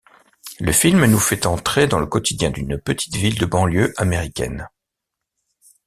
Le film nous fait entrer dans le quotidien d'une petite ville de banlieue américaine.